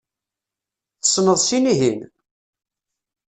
Tessneḍ sin-ihin?